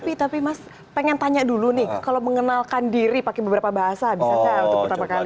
tapi mas pengen tanya dulu nih kalau mengenalkan diri pakai beberapa bahasa bisakah untuk pertama kali